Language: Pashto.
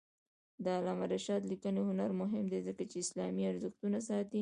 د علامه رشاد لیکنی هنر مهم دی ځکه چې اسلامي ارزښتونه ساتي.